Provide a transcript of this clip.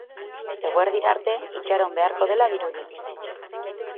Eguerdira arte itxaron beharko dela dirudi.